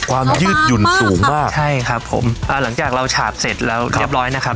ยืดหยุ่นสูงมากใช่ครับผมอ่าหลังจากเราฉาบเสร็จแล้วเรียบร้อยนะครับ